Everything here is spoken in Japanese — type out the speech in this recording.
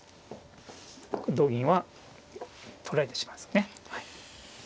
これ同銀は取られてしまいますね。